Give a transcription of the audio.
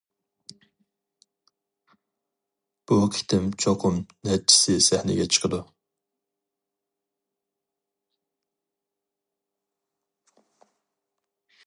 بۇ قېتىم چوقۇم نەچچىسى سەھنىگە چىقىدۇ.